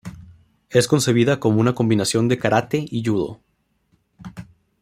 Es concebida como una combinación de kárate y judo.